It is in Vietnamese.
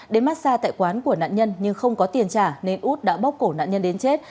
đến mát xa tại quán của nạn nhân nhưng không có tiền trả nên út đã bóc cổ nạn nhân đến chết